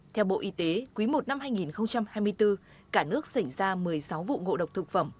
theo bộ y tế quý i năm hai nghìn hai mươi bốn cả nước xảy ra một mươi sáu vụ ngộ độc thực phẩm